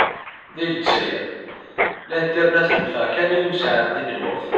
Di lezzayer, Internet tenfeε kan i usεeddi n lweqt.